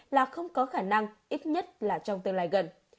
là không có khả năng ít nhất là trong tương lai gần